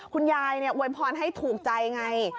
คุณยายอวยพรให้ถูกใจไง